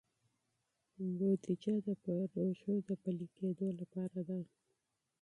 بودیجه د پروژو د پلي کیدو لپاره ده.